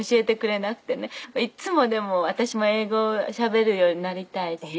いっつもでも私も英語しゃべるようになりたいし。